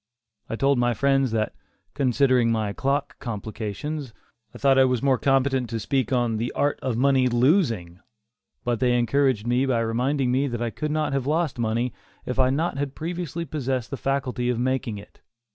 I told my friends that, considering my clock complications, I thought I was more competent to speak on "The Art of Money Losing"; but they encouraged me by reminding me that I could not have lost money, if I had not previously possessed the faculty of making it.